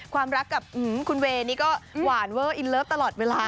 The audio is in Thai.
ความรักกับคุณเวย์นี่ก็หวานเวอร์อินเลิฟตลอดเวลา